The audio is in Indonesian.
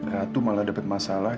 ratu malah dapet masalah